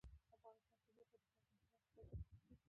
افغانستان کې ځمکه د خلکو د ژوند په کیفیت تاثیر کوي.